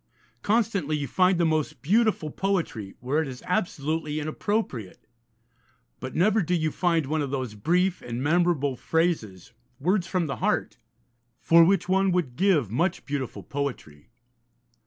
Constantly you find the most beautiful poetry where it is absolutely inappropriate, but never do you find one of those brief and memorable phrases, words from the heart, for which one would give much beautiful poetry.